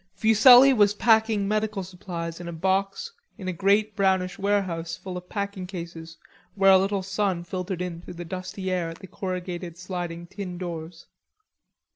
Fuselli was packing medical supplies in a box in a great brownish warehouse full of packing cases where a little sun filtered in through the dusty air at the corrugated sliding tin doors.